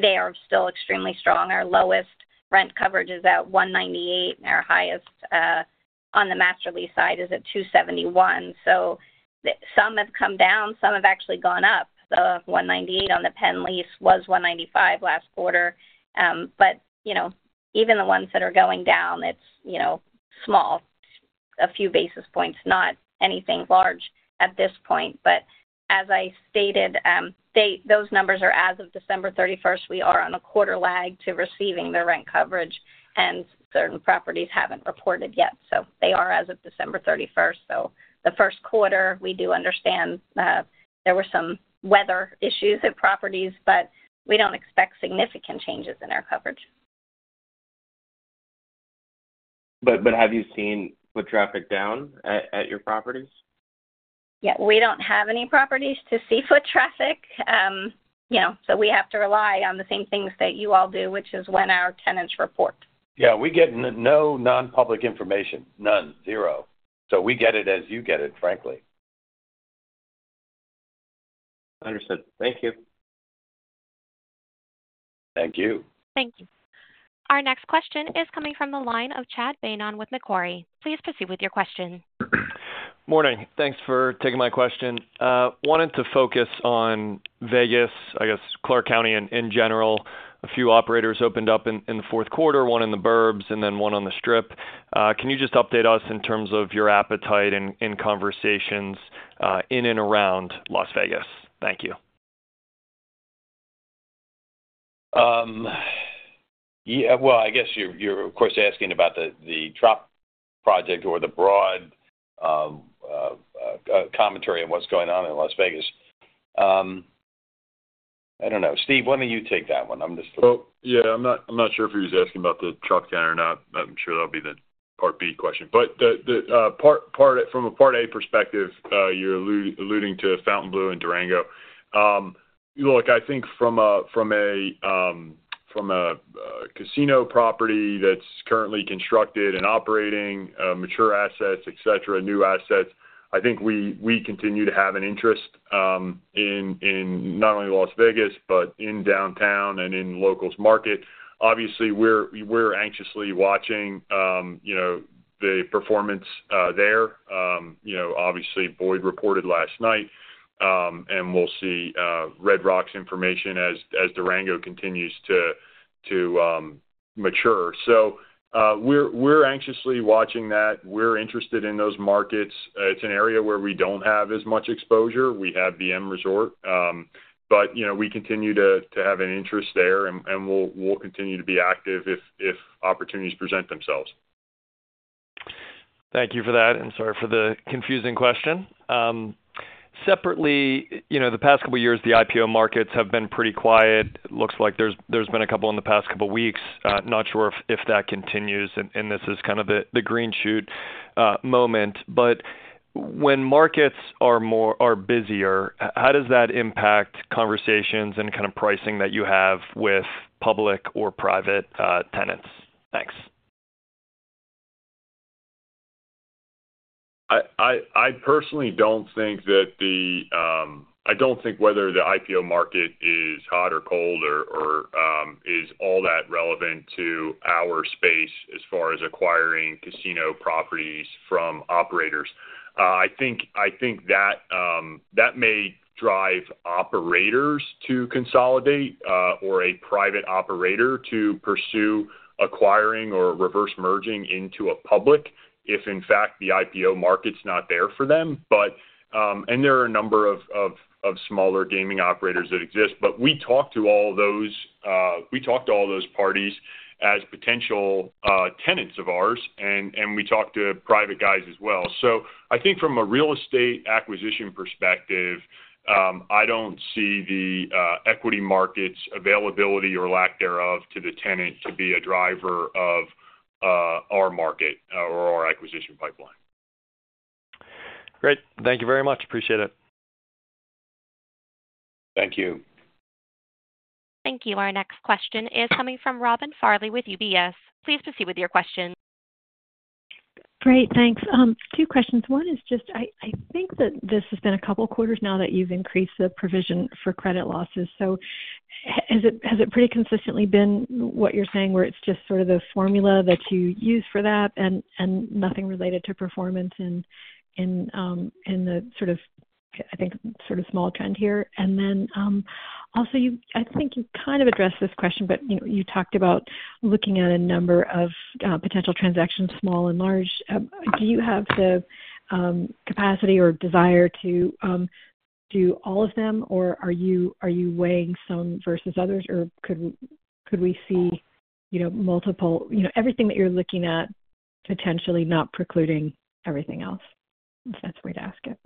they are still extremely strong. Our lowest rent coverage is at 198, and our highest, on the Master Lease side is at 271. So some have come down. Some have actually gone up. The 198 on the Penn Lease was 195 last quarter. But you know, even the ones that are going down, it's you know, small, a few basis points, not anything large at this point. But as I stated, those numbers are as of December 31st. We are on a quarter lag to receiving the rent coverage. And certain properties haven't reported yet. So they are as of December 31st. The first quarter, we do understand, there were some weather issues at properties, but we don't expect significant changes in our coverage. But have you seen foot traffic down at your properties? Yeah. We don't have any properties to see foot traffic, you know, so we have to rely on the same things that you all do, which is when our tenants report. Yeah. We get no nonpublic information. None. Zero. So we get it as you get it, frankly. Understood. Thank you. Thank you. Thank you. Our next question is coming from the line of Chad Beynon with Macquarie. Please proceed with your question. Morning. Thanks for taking my question. Wanted to focus on Vegas, I guess, Clark County in general. A few operators opened up in the fourth quarter, one in the burbs, and then one on the Strip. Can you just update us in terms of your appetite in conversations in and around Las Vegas? Thank you. Yeah. Well, I guess you're of course asking about the Trop project or the broader commentary on what's going on in Las Vegas. I don't know. Steve, why don't you take that one? I'm just. Well, yeah. I'm not sure if he was asking about the Trop down or not. I'm sure that'll be the part B question. But the part from a part A perspective, you're alluding to Fontainebleau and Durango. Look, I think from a casino property that's currently constructed and operating, mature assets, etc., new assets, I think we continue to have an interest in not only Las Vegas but in downtown and in locals market. Obviously, we're anxiously watching, you know, the performance there. You know, obviously, Boyd reported last night, and we'll see Red Rock information as Durango continues to mature. So, we're anxiously watching that. We're interested in those markets. It's an area where we don't have as much exposure. We have M Resort. But, you know, we continue to have an interest there, and we'll continue to be active if opportunities present themselves. Thank you for that. Sorry for the confusing question. Separately, you know, the past couple of years, the IPO markets have been pretty quiet. Looks like there's been a couple in the past couple of weeks. Not sure if that continues. And this is kind of the green shoot moment. But when markets are busier, how does that impact conversations and kind of pricing that you have with public or private tenants? Thanks. I personally don't think whether the IPO market is hot or cold or is all that relevant to our space as far as acquiring casino properties from operators. I think that may drive operators to consolidate, or a private operator to pursue acquiring or reverse merging into a public if, in fact, the IPO market's not there for them. But there are a number of smaller gaming operators that exist. But we talk to all those parties as potential tenants of ours, and we talk to private guys as well. So I think from a real estate acquisition perspective, I don't see the equity markets availability or lack thereof to the tenant to be a driver of our market, or our acquisition pipeline. Great. Thank you very much. Appreciate it. Thank you. Thank you. Our next question is coming from Robin Farley with UBS. Please proceed with your question. Great. Thanks. Two questions. One is just I think that this has been a couple of quarters now that you've increased the provision for credit losses. So has it pretty consistently been what you're saying where it's just sort of the formula that you use for that and nothing related to performance in the sort of I think sort of small trend here? And then, also, you I think you kind of addressed this question, but you know, you talked about looking at a number of potential transactions, small and large. Do you have the capacity or desire to do all of them, or are you weighing some versus others, or could we see multiple, you know, everything that you're looking at potentially not precluding everything else, if that's the way to ask it?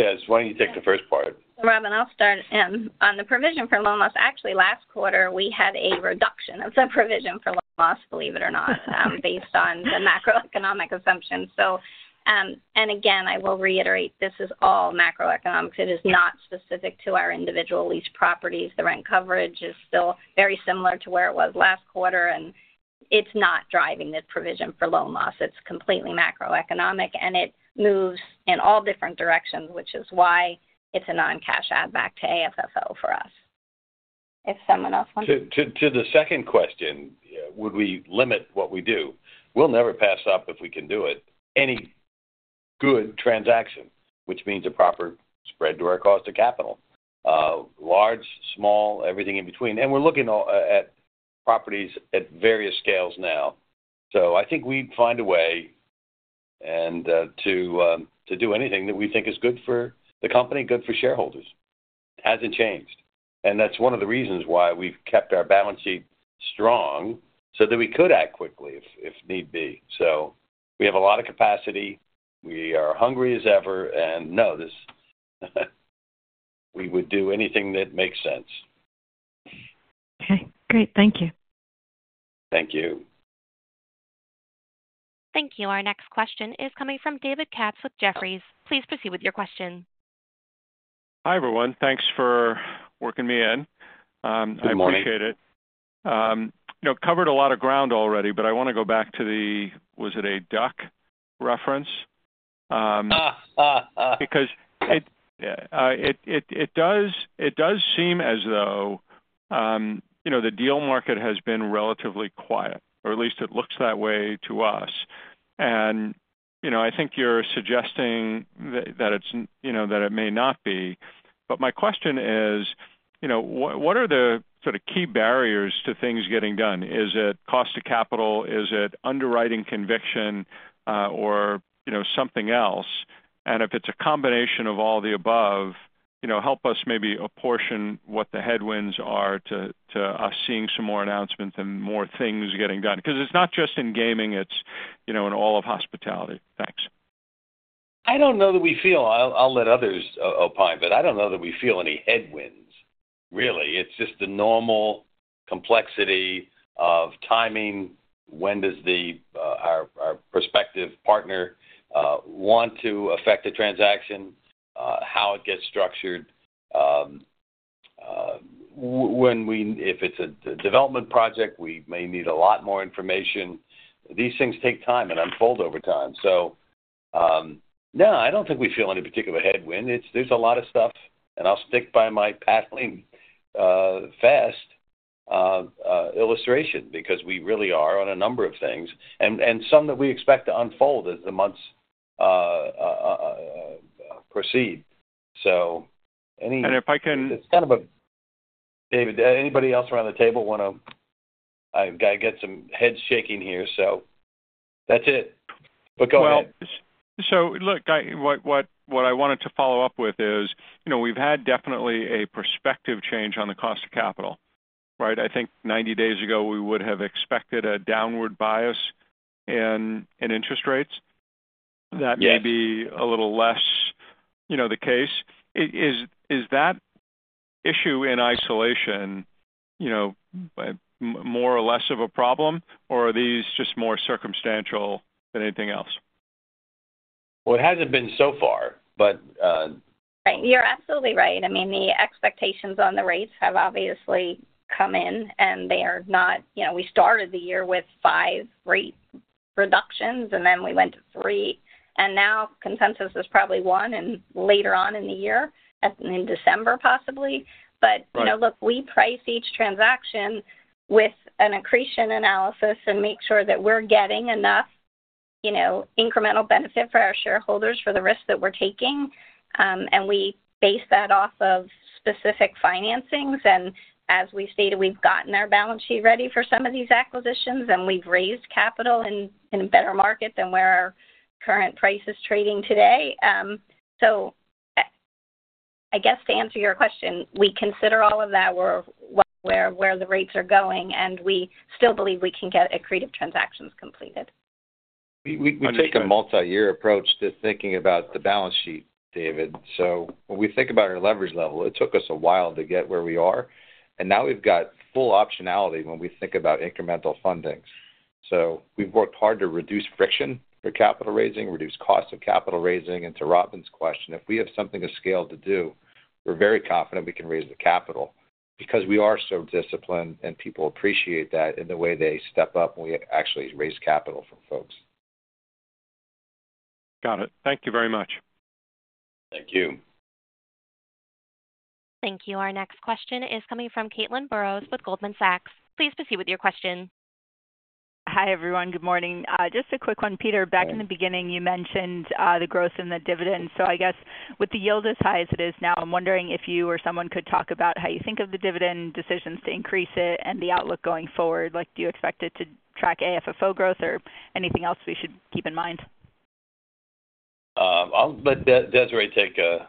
Des. Why don't you take the first part? Robin, I'll start on the provision for loan loss, actually, last quarter, we had a reduction of the provision for loan loss, believe it or not, based on the macroeconomic assumptions. So, and again, I will reiterate, this is all macroeconomics. It is not specific to our individual leased properties. The rent coverage is still very similar to where it was last quarter. And it's not driving the provision for loan loss. It's completely macroeconomic. And it moves in all different directions, which is why it's a non-cash add-back to AFFO for us, if someone else wants to. To the second question, would we limit what we do? We'll never pass up if we can do it any good transaction, which means a proper spread to our cost of capital, large, small, everything in between. And we're looking at properties at various scales now. So I think we'd find a way and to do anything that we think is good for the company, good for shareholders. Hasn't changed. And that's one of the reasons why we've kept our balance sheet strong so that we could act quickly if need be. So we have a lot of capacity. We are hungry as ever. And no, this we would do anything that makes sense. Okay. Great. Thank you. Thank you. Thank you. Our next question is coming from David Katz with Jefferies. Please proceed with your question. Hi, everyone. Thanks for working me in. I appreciate it. Good morning. You know, covered a lot of ground already, but I want to go back to the—was it a duck reference? Because it—yeah. It does seem as though, you know, the deal market has been relatively quiet, or at least it looks that way to us. And, you know, I think you're suggesting that—that it's not, you know, that it may not be. But my question is, you know, what, what are the sort of key barriers to things getting done? Is it cost of capital? Is it underwriting conviction, or, you know, something else? And if it's a combination of all the above, you know, help us maybe apportion what the headwinds are to, to us seeing some more announcements and more things getting done. Because it's not just in gaming. It's, you know, in all of hospitality. Thanks. I don't know that we feel. I'll let others opine, but I don't know that we feel any headwinds, really. It's just the normal complexity of timing. When does our prospective partner want to affect a transaction, how it gets structured? When, if it's a development project, we may need a lot more information. These things take time and unfold over time. So, no, I don't think we feel any particular headwind. It's, there's a lot of stuff. And I'll stick by my paddling fast illustration because we really are on a number of things and some that we expect to unfold as the months proceed. So any. If I can. It's kind of a David. Anybody else around the table want to? I've got to get some heads shaking here, so that's it. But go ahead. Well, so look, what I wanted to follow up with is, you know, we've had definitely a prospective change on the cost of capital, right? I think 90 days ago, we would have expected a downward bias in interest rates. That may be. Yes. A little less, you know, the case. Is that issue in isolation, you know, more or less of a problem, or are these just more circumstantial than anything else? Well, it hasn't been so far, but, Right. You're absolutely right. I mean, the expectations on the rates have obviously come in, and they are not, you know, we started the year with 5 rate reductions, and then we went to three. And now, consensus is probably one and later on in the year, at in December, possibly. But, you know, look, we price each transaction with an accretion analysis and make sure that we're getting enough, you know, incremental benefit for our shareholders for the risks that we're taking. And we base that off of specific financings. And as we stated, we've gotten our balance sheet ready for some of these acquisitions, and we've raised capital in, in a better market than where our current price is trading today. So, I guess to answer your question, we consider all of that. We're aware of where the rates are going, and we still believe we can get accretive transactions completed. We take a multi-year approach to thinking about the balance sheet, David. So when we think about our leverage level, it took us a while to get where we are. And now, we've got full optionality when we think about incremental fundings. So we've worked hard to reduce friction for capital raising, reduce cost of capital raising. And to Robin's question, if we have something of scale to do, we're very confident we can raise the capital because we are so disciplined, and people appreciate that in the way they step up when we actually raise capital from folks. Got it. Thank you very much. Thank you. Thank you. Our next question is coming from Caitlin Burrows with Goldman Sachs. Please proceed with your question. Hi, everyone. Good morning. Just a quick one, Peter. Back in the beginning, you mentioned the growth in the dividend. So I guess with the yield as high as it is now, I'm wondering if you or someone could talk about how you think of the dividend, decisions to increase it, and the outlook going forward. Like, do you expect it to track AFFO growth, or anything else we should keep in mind? I'll let Desiree take a while on that. So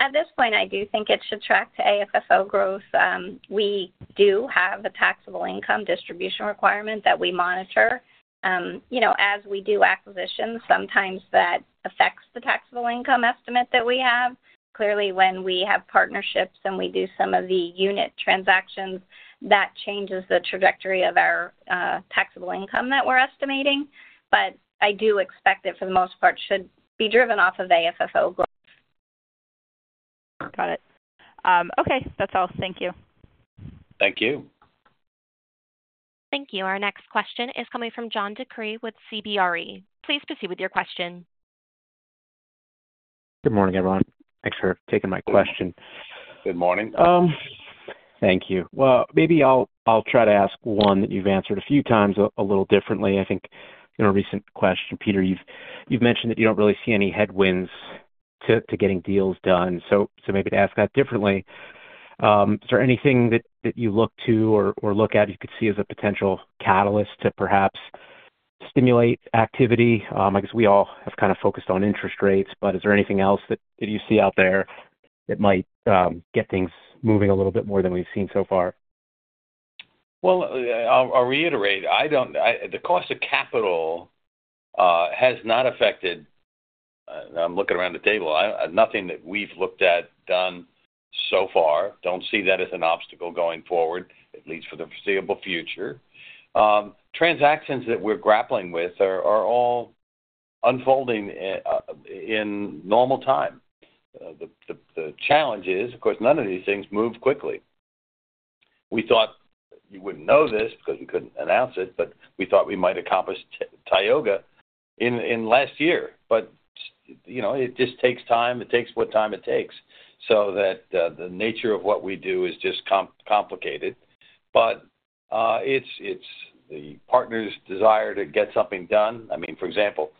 at this point, I do think it should track to AFFO growth. We do have a taxable income distribution requirement that we monitor. You know, as we do acquisitions, sometimes that affects the taxable income estimate that we have. Clearly, when we have partnerships and we do some of the unit transactions, that changes the trajectory of our taxable income that we're estimating. But I do expect it, for the most part, should be driven off of AFFO growth. Got it. Okay. That's all. Thank you. Thank you. Thank you. Our next question is coming from John DeCree with CBRE. Please proceed with your question. Good morning, everyone. Thanks for taking my question. Good morning. Thank you. Well, maybe I'll try to ask one that you've answered a few times a little differently. I think, you know, recent question. Peter, you've mentioned that you don't really see any headwinds to getting deals done. So maybe to ask that differently, is there anything that you look to or look at you could see as a potential catalyst to perhaps stimulate activity? I guess we all have kind of focused on interest rates, but is there anything else that you see out there that might get things moving a little bit more than we've seen so far? Well, I'll reiterate. I don't see the cost of capital has not affected. No, I'm looking around the table. I see nothing that we've looked at or done so far. Don't see that as an obstacle going forward, at least for the foreseeable future. The transactions that we're grappling with are all unfolding in normal time. The challenge is, of course, none of these things move quickly. We thought you wouldn't know this because we couldn't announce it, but we thought we might accomplish Tioga in last year. But you know, it just takes time. It takes what time it takes. So, the nature of what we do is just complicated. But, it's the partner's desire to get something done. I mean, for example,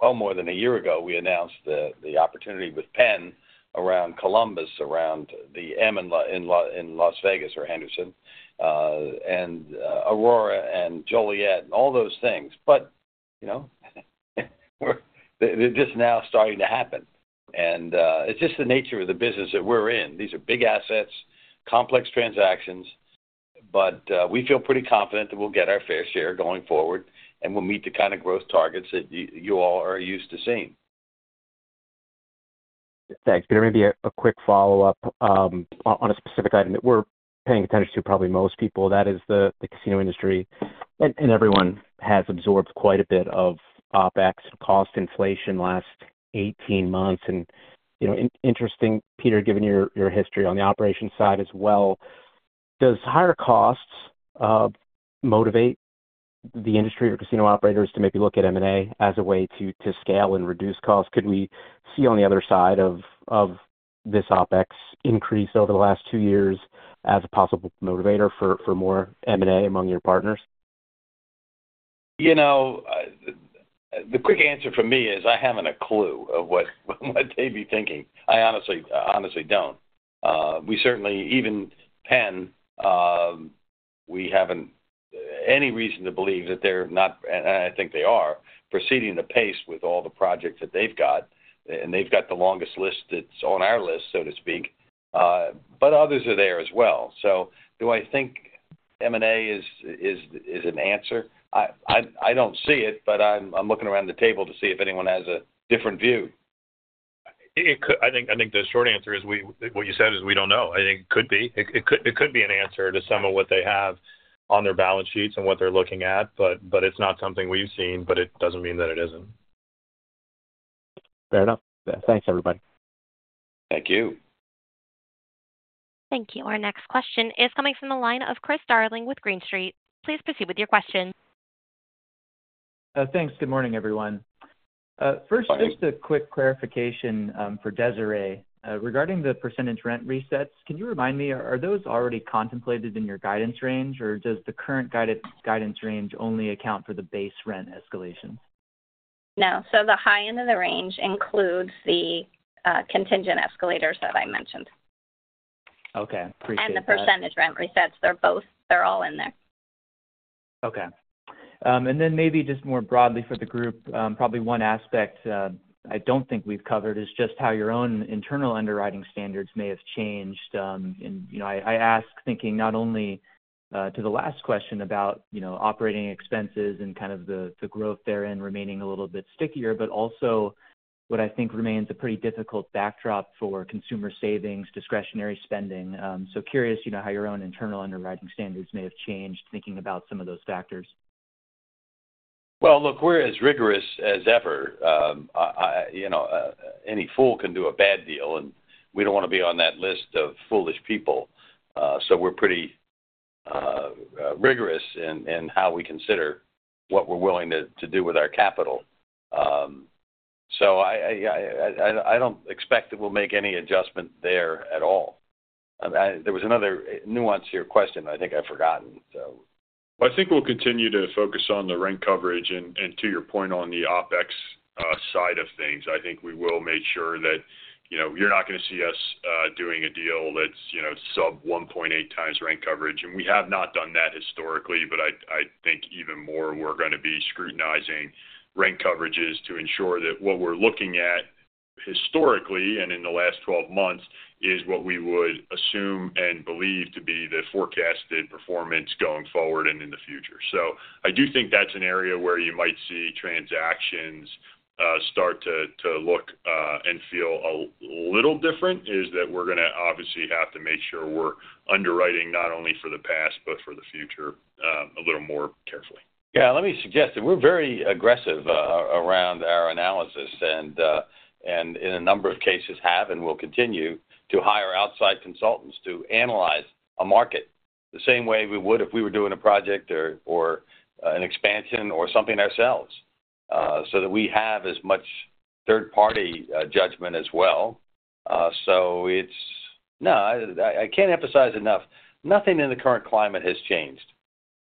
well, more than a year ago, we announced the opportunity with Penn around Columbus, around the M and land in Las Vegas or Henderson, and Aurora and Joliet and all those things. But, you know, we're—they're just now starting to happen. And, it's just the nature of the business that we're in. These are big assets, complex transactions. But, we feel pretty confident that we'll get our fair share going forward, and we'll meet the kind of growth targets that you all are used to seeing. Thanks, Peter. Maybe a quick follow-up on a specific item that we're paying attention to, probably most people, that is the casino industry. And everyone has absorbed quite a bit of OpEx and cost inflation last 18 months. And, you know, interesting, Peter, given your history on the operation side as well, does higher costs motivate the industry or casino operators to maybe look at M&A as a way to scale and reduce costs? Could we see on the other side of this OpEx increase over the last two years as a possible motivator for more M&A among your partners? You know, the quick answer for me is I haven't a clue of what they'd be thinking. I honestly don't. We certainly even Penn, we haven't any reason to believe that they're not and I think they are preceding the pace with all the projects that they've got. And they've got the longest list that's on our list, so to speak. But others are there as well. So do I think M&A is an answer? I don't see it, but I'm looking around the table to see if anyone has a different view. It could, I think, the short answer is what you said is we don't know. I think it could be. It could be an answer to some of what they have on their balance sheets and what they're looking at. But it's not something we've seen, but it doesn't mean that it isn't. Fair enough. Thanks, everybody. Thank you. Thank you. Our next question is coming from the line of Chris Darling with Green Street. Please proceed with your question. Thanks. Good morning, everyone. First. Good morning. Just a quick clarification for Desiree regarding the percentage rent resets, can you remind me, are those already contemplated in your guidance range, or does the current guidance range only account for the base rent escalations? No. So the high end of the range includes the contingent escalators that I mentioned. Okay. Appreciate that. The percentage rent resets. They're both. They're all in there. Okay. And then maybe just more broadly for the group, probably one aspect I don't think we've covered is just how your own internal underwriting standards may have changed. In, you know, I ask thinking not only to the last question about, you know, operating expenses and kind of the growth therein remaining a little bit stickier, but also what I think remains a pretty difficult backdrop for consumer savings, discretionary spending. So curious, you know, how your own internal underwriting standards may have changed thinking about some of those factors. Well, look, we're as rigorous as ever. I, you know, any fool can do a bad deal, and we don't want to be on that list of foolish people. So we're pretty rigorous in how we consider what we're willing to do with our capital. So I don't expect that we'll make any adjustment there at all. There was another nuance to your question that I think I've forgotten, so. Well, I think we'll continue to focus on the rent coverage. And, and to your point on the OpEx side of things, I think we will make sure that, you know, you're not going to see us doing a deal that's, you know, sub 1.8x rent coverage. And we have not done that historically, but I, I think even more, we're going to be scrutinizing rent coverages to ensure that what we're looking at historically and in the last 12 months is what we would assume and believe to be the forecasted performance going forward and in the future. So I do think that's an area where you might see transactions start to, to look, and feel a little different is that we're going to obviously have to make sure we're underwriting not only for the past but for the future, a little more carefully. Yeah. Let me suggest that we're very aggressive around our analysis. And in a number of cases, have and will continue to hire outside consultants to analyze a market the same way we would if we were doing a project or an expansion or something ourselves, so that we have as much third-party judgment as well. So it's no, I can't emphasize enough. Nothing in the current climate has changed,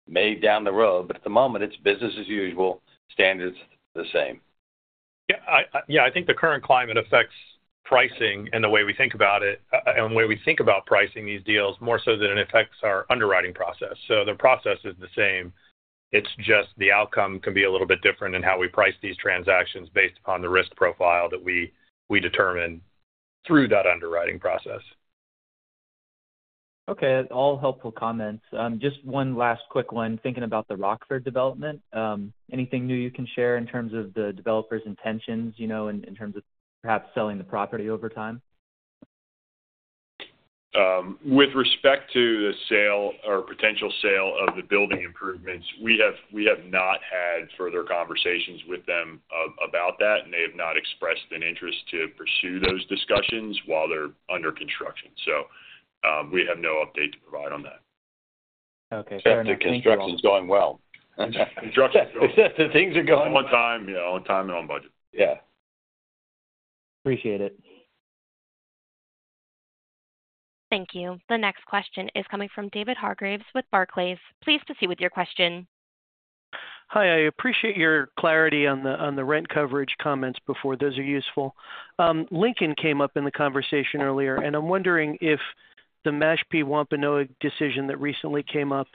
maybe down the road, but at the moment, it's business as usual, standards the same. Yeah. I, yeah. I think the current climate affects pricing and the way we think about it, and the way we think about pricing these deals more so than it affects our underwriting process. So the process is the same. It's just the outcome can be a little bit different in how we price these transactions based upon the risk profile that we determine through that underwriting process. Okay. All helpful comments. Just one last quick one, thinking about the Rockford development, anything new you can share in terms of the developer's intentions, you know, in, in terms of perhaps selling the property over time? With respect to the sale or potential sale of the building improvements, we have not had further conversations with them about that, and they have not expressed an interest to pursue those discussions while they're under construction. So, we have no update to provide on that. Okay. Fair enough. Except the construction's going well. Construction's going well. Except the things are going. On time. Yeah. On time and on budget. Yeah. Appreciate it. Thank you. The next question is coming from David Hargreaves with Barclays. Please proceed with your question. Hi. I appreciate your clarity on the rent coverage comments before. Those are useful. Lincoln came up in the conversation earlier, and I'm wondering if the Mashpee Wampanoag decision that recently came up,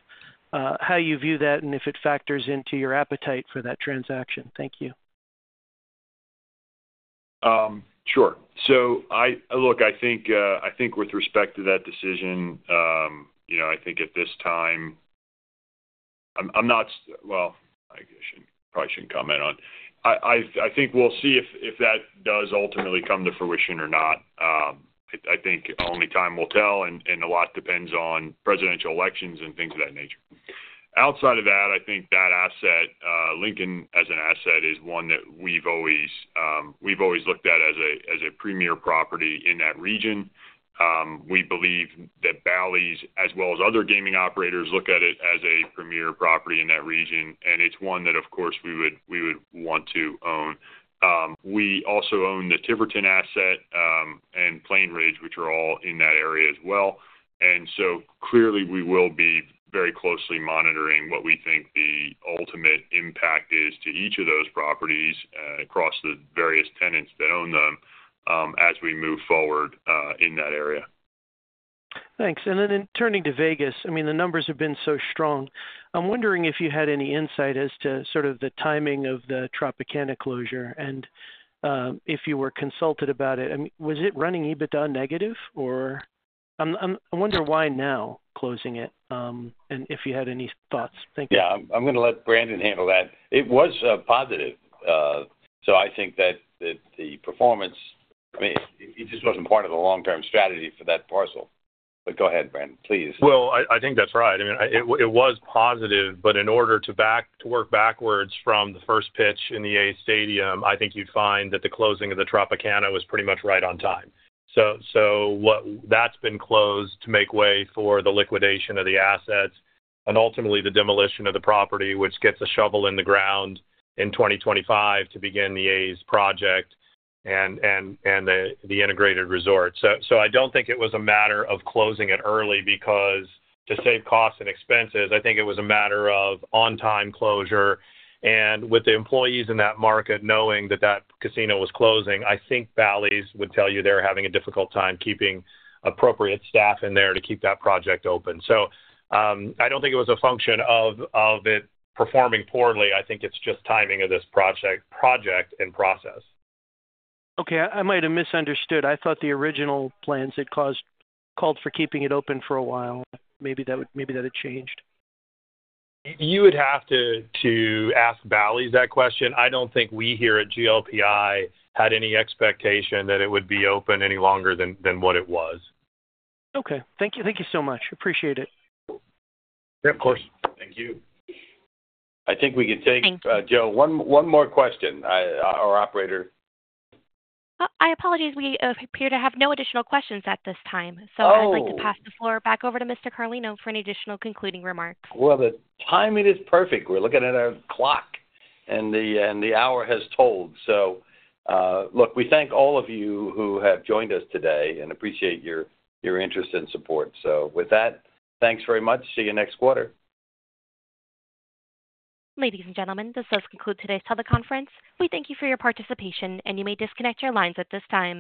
how you view that and if it factors into your appetite for that transaction. Thank you. Sure. So I look, I think with respect to that decision, you know, I think at this time, I'm not sure, well, I guess I shouldn't probably shouldn't comment on it. I think we'll see if that does ultimately come to fruition or not. I think only time will tell, and a lot depends on presidential elections and things of that nature. Outside of that, I think that asset, Lincoln as an asset, is one that we've always looked at as a premier property in that region. We believe that Bally's, as well as other gaming operators, look at it as a premier property in that region, and it's one that, of course, we would want to own. We also own the Tiverton asset, and Plainridge, which are all in that area as well. Clearly, we will be very closely monitoring what we think the ultimate impact is to each of those properties, across the various tenants that own them, as we move forward, in that area. Thanks. And then in turning to Vegas, I mean, the numbers have been so strong. I'm wondering if you had any insight as to sort of the timing of the Tropicana closure and if you were consulted about it. I mean, was it running EBITDA negative, or? I wonder why now closing it, and if you had any thoughts. Thank you. Yeah. I'm going to let Brandon handle that. It was positive. So I think that the performance—I mean, it just wasn't part of the long-term strategy for that parcel. But go ahead, Brandon. Please. Well, I think that's right. I mean, it was positive, but in order to work backwards from the first pitch in the A's Stadium, I think you'd find that the closing of the Tropicana was pretty much right on time. So, what's been closed to make way for the liquidation of the assets and ultimately the demolition of the property, which gets a shovel in the ground in 2025 to begin the A's project and the integrated resort. So, I don't think it was a matter of closing it early because to save costs and expenses, I think it was a matter of on-time closure. With the employees in that market knowing that that casino was closing, I think Bally's would tell you they're having a difficult time keeping appropriate staff in there to keep that project open. I don't think it was a function of it performing poorly. I think it's just timing of this project and process. Okay. I might have misunderstood. I thought the original plans, it was called for keeping it open for a while. Maybe that had changed. You would have to ask Bally's that question. I don't think we here at GLPI had any expectation that it would be open any longer than what it was. Okay. Thank you. Thank you so much. Appreciate it. Yeah. Of course. Thank you. I think we can take. Thanks. Joe one more question. Our operator. I apologize. We appear to have no additional questions at this time. So I'd like to pass the floor back over to Mr. Carlino for any additional concluding remarks. Well, the timing is perfect. We're looking at our clock, and the hour has tolled. So, look, we thank all of you who have joined us today and appreciate your, your interest and support. So with that, thanks very much. See you next quarter. Ladies and gentlemen, this does conclude today's teleconference. We thank you for your participation, and you may disconnect your lines at this time.